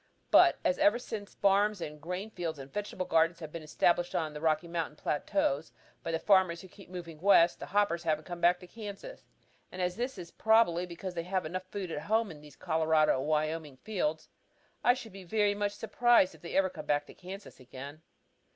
But as ever since farms and grain fields and vegetable gardens have been established on the Rocky Mountain plateaus by the farmers who keep moving west, the hoppers haven't come back to Kansas, and as this is probably because they have enough food at home in these Colorado and Wyoming fields, I should be very much surprised if they ever come back to Kansas again."